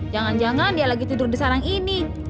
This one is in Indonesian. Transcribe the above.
jangan jangan dia lagi tidur di sarang ini